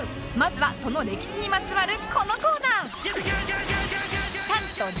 まずはその歴史にまつわるこのコーナー